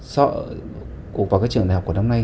so với các trường đại học của năm nay